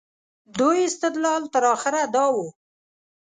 دوی استدلال تر اخره دا و.